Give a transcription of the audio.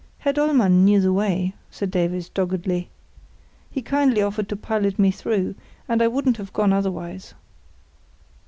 "Herr Dollmann knew the way," said Davies, doggedly. "He kindly offered to pilot me through, and I wouldn't have gone otherwise."